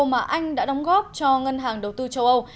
mà anh đã đóng góp cho ngân hàng đầu tư châu âu